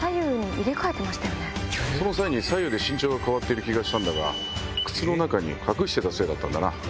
その際に左右で身長が変わっている気がしたんだが靴の中に隠してたせいだったんだな。